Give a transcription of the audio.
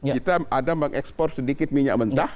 kita ada mengekspor sedikit minyak mentah